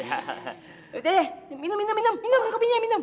udah deh minum minum minum kopinya minum